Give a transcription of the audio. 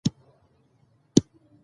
افغانستان د اوړي له مخې پېژندل کېږي.